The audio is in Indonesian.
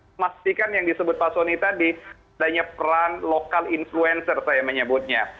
pastikan yang disebut pak soni tadi dan nyeperan lokal influencer saya menyebutnya